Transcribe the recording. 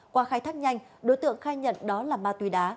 qua khai thác nhanh đối tượng khai nhận đó là ma túy đá